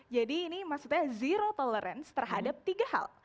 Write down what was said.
jadi ini maksudnya zero tolerance terhadap tiga hal